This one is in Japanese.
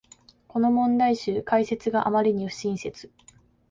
この問題集、解説があまりに不親切